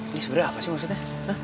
ini sebenarnya apa sih maksudnya